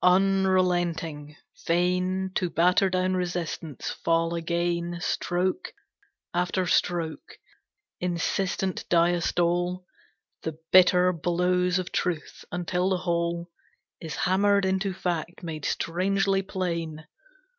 Unrelenting, fain To batter down resistance, fall again Stroke after stroke, insistent diastole, The bitter blows of truth, until the whole Is hammered into fact made strangely plain.